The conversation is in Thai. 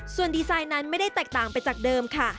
ส่วนดีไซน์นั้นไม่ได้แตกต่างไปจากเดิมค่ะ